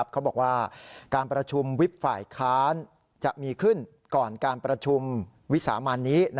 เขาบอกว่าการประชุมวิบฝ่ายค้านจะมีขึ้นก่อนการประชุมวิสามันนี้